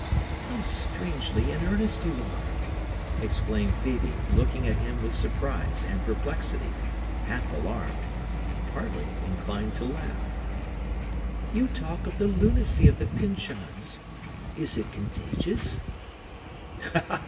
"How strangely in earnest you are!" exclaimed Phœbe, looking at him with surprise and perplexity; half alarmed and partly inclined to laugh. "You talk of the lunacy of the Pyncheons; is it contagious?"